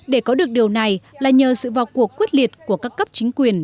để có được điều này là nhờ sự vào cuộc quyết liệt của các cấp chính quyền